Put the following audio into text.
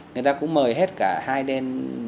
người ta cũng mời hết cả hai đêm